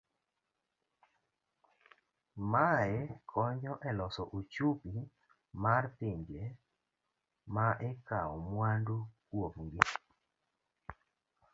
Mae konyo e loso uchumi mar pinje ma ikawo mwandu kuom gi.